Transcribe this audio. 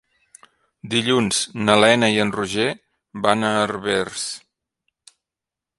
Dilluns na Lena i en Roger van a Herbers.